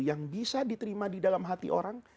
yang bisa diterima di dalam hati orang